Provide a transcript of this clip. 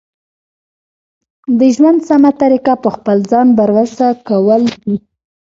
د ژوند سمه طریقه په خپل ځان بروسه کول دي.